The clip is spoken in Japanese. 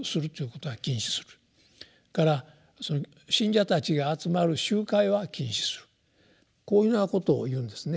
それから信者たちが集まる集会は禁止するこういうようなことを言うんですね。